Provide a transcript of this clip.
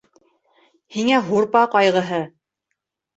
— Һиңә һурпа ҡайғыһы!